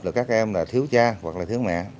là các em là thiếu cha hoặc là thiếu mẹ